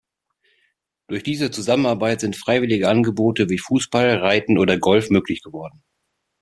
Durch diese Zusammenarbeit sind freiwillige Angebote wie Fußball, Reiten oder Golf möglich geworden.